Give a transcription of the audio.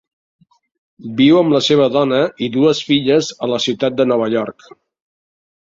Viu amb la seva dona i dues filles a la ciutat de Nova York.